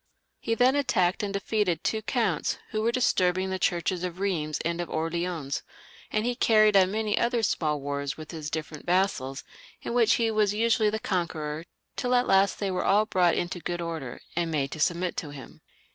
He then attacked and defeated two counts, who were disturbing the churches of Bheims and of Orleans, and he carried on many other small wars with his different vassals, in which 78 LOUIS VL [CH. lie was usually the conqueror, till at last they were all brought into good order, and made to submit to him.